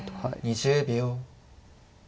２０秒。